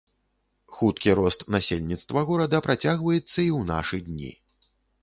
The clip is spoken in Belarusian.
Хуткі рост насельніцтва горада працягваецца і ў нашы дні.